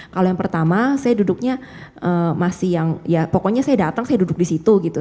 kalau yang pertama saya duduknya masih yang ya pokoknya saya datang saya duduk di situ gitu